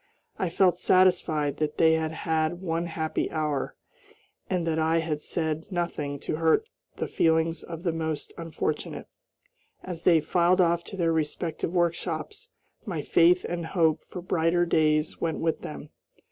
I felt satisfied that they had had one happy hour, and that I had said nothing to hurt the feelings of the most unfortunate. As they filed off to their respective workshops my faith and hope for brighter days went with them.